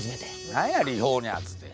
何やリフォーニャーズて。